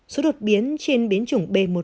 số đột biến trên biến chủng b một một